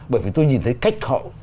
bởi vì tôi nhìn thấy cách họ